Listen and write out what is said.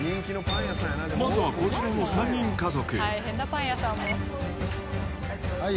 まずはこちらの３人家族。